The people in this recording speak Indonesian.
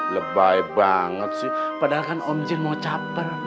lebay banget padahal kan om jun mau capel